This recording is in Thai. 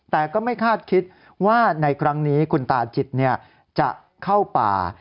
แต่ก็ไม่คาดคิดว่าในครั้งนี้คุณตาจิตจะเข้าป่า